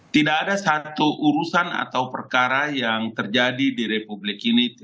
tidak ada satu urusan atau perkara yang terjadi di republik ini